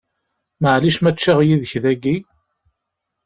Maɛlic ma ččiɣ yid-k dagi?